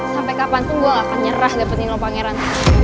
sampai kapan tuh gue gak akan nyerah dapetin lo pangeran